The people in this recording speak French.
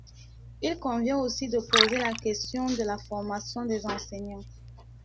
Il convient aussi de poser la question de la formation des enseignants.